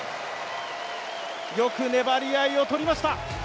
よく粘り合いを取りました。